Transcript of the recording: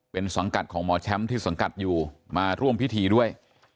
เป็นสังกัดของหมอแชมป์ที่สังกัดอยู่มาร่วมพิธีด้วย